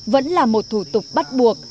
vẫn là một thủ tục bắt buộc